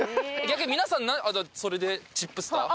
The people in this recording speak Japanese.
逆に皆さんそれでチップスター？